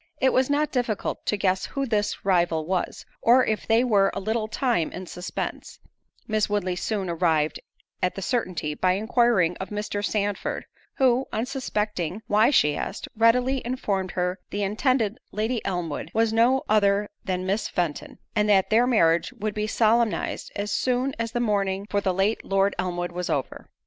It was not difficult to guess who this rival was; or if they were a little time in suspence, Miss Woodley soon arrived at the certainty, by inquiring of Mr. Sandford; who, unsuspecting why she asked, readily informed her the intended Lady Elmwood was no other than Miss Fenton; and that their marriage would be solemnized as soon as the mourning for the late Lord Elmwood was over.